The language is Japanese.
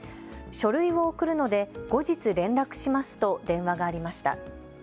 書類を送るので後日連絡しますと電話がありました。